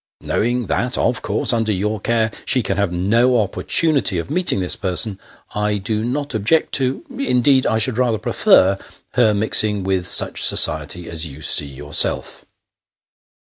Knowing that of course, under your care, she can have no opportunity of meeting this person, I do not object to indeed, I should rather prefer her mixing with snch society as you see your self."